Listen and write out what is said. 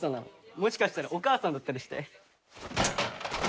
もしかしたらお母さんだったりして。